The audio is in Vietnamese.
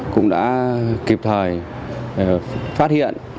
cũng đã kịp thời phát hiện